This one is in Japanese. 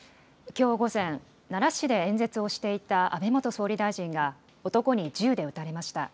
きょう午前、奈良市で演説をしていた安倍元総理大臣が、男に銃で撃たれました。